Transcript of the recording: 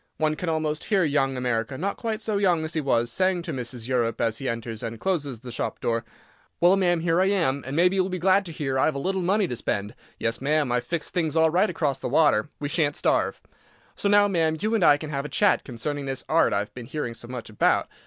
One can almost hear young America—not quite so young as he was—saying to Mrs. Europe as he enters and closes the shop door: "Well, ma'am, here I am, and maybe you'll be glad to hear I've a little money to spend. Yes, ma'am, I've fixed things all right across the water; we shan't starve. So now, ma'am, you and I can have a chat concerning this art I've been hearing so much about.